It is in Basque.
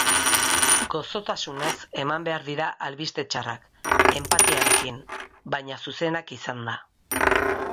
Gozotasunez eman behar dira albiste txarrak, enpatiarekin, baina, zuzenak izanda.